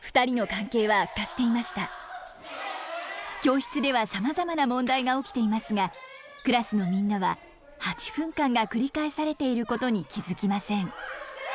教室ではさまざまな問題が起きていますがクラスのみんなは８分間が繰り返されていることに気付きません。